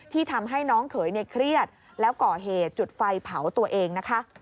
ทำให้น้องเขยเครียดแล้วก่อเหตุจุดไฟเผาตัวเองนะคะ